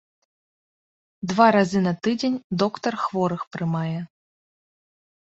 Два разы на тыдзень доктар хворых прымае.